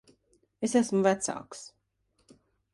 Es esmu vecāks.